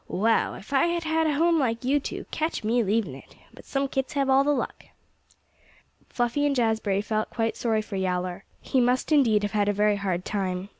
Wow! If I'd had a home like you two, catch me leaving it! But some kits have all the luck." Fluffy and Jazbury felt quite sorry for Yowler. He must indeed have had a very hard time.